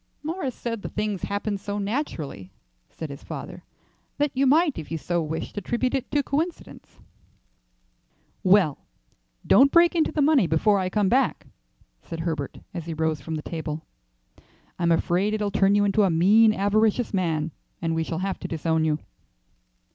"Morris said the things happened so naturally," said his father, "that you might if you so wished attribute it to coincidence." "Well, don't break into the money before I come back," said Herbert as he rose from the table. "I'm afraid it'll turn you into a mean, avaricious man, and we shall have to disown you."